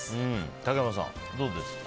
竹山さん、どうですかね。